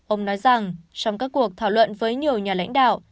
ông nói rằng trong các cuộc thảo luận với nhiều nhà lãnh đạo